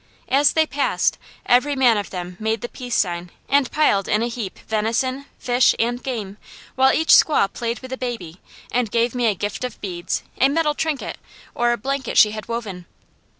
As they passed, every man of them made the peace sign and piled in a heap, venison, fish, and game, while each squaw played with the baby and gave me a gift of beads, a metal trinket, or a blanket she had woven.